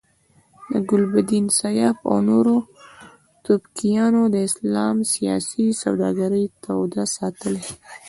د ګلبدین، سیاف او نورو توپکیانو د اسلام سیاسي سوداګري توده ساتلې.